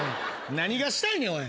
何がしたいねんおい。